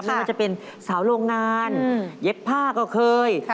ไม่ว่าจะเป็นสาวโรงงานเย็บผ้าก็เคย